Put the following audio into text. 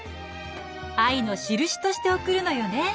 愛のしるしとして贈るのよね！